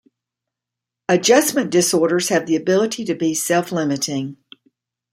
Adjustment disorders have the ability to be self-limiting.